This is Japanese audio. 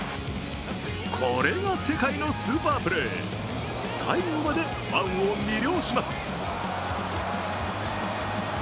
これが世界のスーパープレー、最後までファンを魅了します。